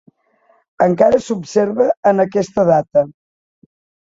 Encara s'observa en aquesta data.